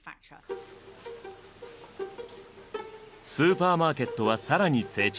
スーパーマーケットは更に成長。